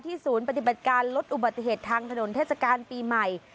ศูนย์ปฏิบัติการลดอุบัติเหตุทางถนนเทศกาลปีใหม่